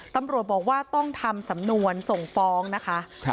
ตำรวจบอกว่าต้องทำสำนวนส่งฟ้องนะคะ